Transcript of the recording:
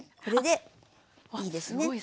これでいいですね。